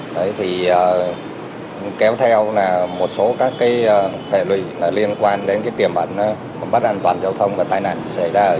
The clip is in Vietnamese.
đấy thì kéo theo là một số các cái hệ lùi liên quan đến cái kiểm bản bất an toàn giao thông và tai nạn xảy ra ở trên đường